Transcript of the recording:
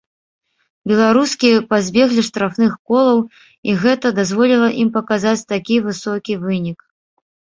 Беларускі пазбеглі штрафных колаў і гэта дазволіла ім паказаць такі высокі вынік.